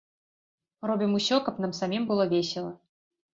Робім усё, каб нам самім было весела!